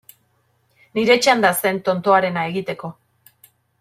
Nire txanda zen tontoarena egiteko.